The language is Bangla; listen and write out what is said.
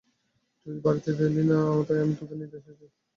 তুই ছুটিতে বাড়ি গেলি না, তাই আমি তোকে নিতে এসেছি।